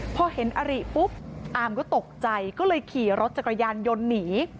พอเห็นอริปุ๊บอามก็ตกใจก็เลยขี่รถจักรยานยนต์หนี